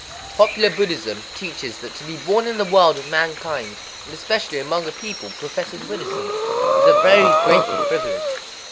Popular Buddhism teaches that to be born in the world of mankind, and especially among a people professing Buddhism, is a very great privilege.